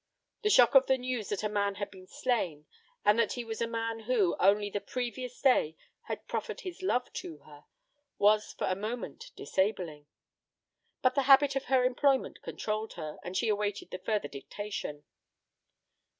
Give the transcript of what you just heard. The shock of the news that a man had been slain, and that he was a man who, only the previous day, had proffered his love to her, was for a moment disabling. But the habit of her employment controlled her, and she awaited the further dictation.